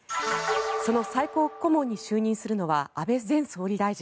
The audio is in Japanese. その最高顧問に就任するのは安倍前総理大臣。